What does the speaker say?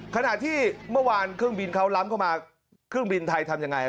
ขณะที่เมื่อวานเครื่องบินเขาล้ำเข้ามาเครื่องบินไทยทำยังไง